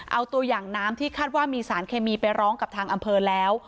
เอาตัวอย่างน้ำที่คาดว่ามีสารเคมีไปร้องกับทางอำเภอแล้ว